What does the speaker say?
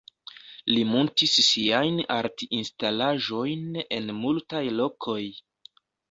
Li muntis siajn art-instalaĵojn en multaj lokoj.